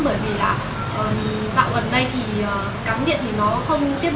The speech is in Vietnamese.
mình thì ra chợ ngoài mua lại chọn mình được không biết là nguồn gốc như thế nào ạ